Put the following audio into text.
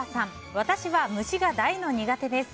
私は虫が大の苦手です。